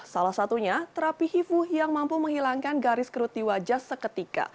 salah satunya terapi hifu yang mampu menghilangkan garis kerut di wajah seketika